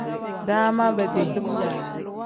Daama bedi.